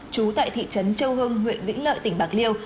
trú tại thị trấn châu hưng huyện vĩnh lợi tỉnh bạc liêu